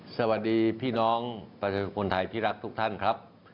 สวัสดีพี่น้องประชาชนคนไทยที่รักทุกท่านครับ